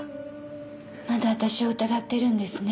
まだ私を疑ってるんですね。